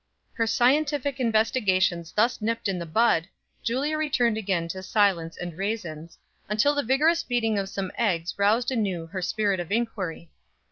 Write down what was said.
Her scientific investigations thus nipped in the bud, Julia returned again to silence and raisins, until the vigorous beating of some eggs roused anew the spirit of inquiry.